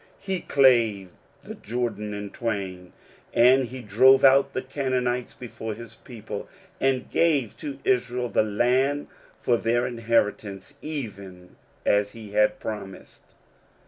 He clave the Jordan in twain, and he drove out the Canaanites before his people, and gave to Israel the land for their inheritance, even as he had promised.